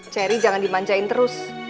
cherry jangan dimanjain terus